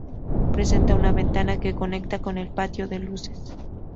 Presenta una ventana que conecta con el patio de luces.